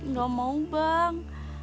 gak mau bang